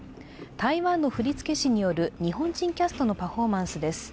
台湾の振付師による日本人キャストのパフォーマンスです。